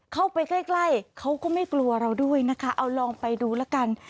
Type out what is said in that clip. เข้าไปใกล้เขาก็ไม่กลัวเราด้วยนะคะเอาลองไปดูละกัน